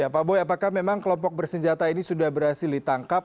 pak boy apakah memang kelompok bersenjata ini sudah berhasil ditangkap